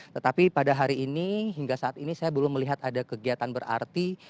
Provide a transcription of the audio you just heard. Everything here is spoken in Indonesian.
tetapi pada hari ini hingga saat ini saya belum melihat ada kegiatan berarti